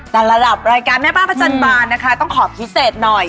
แต่ระดับรายการแม่บ้านประจันบานนะคะต้องขอพิเศษหน่อย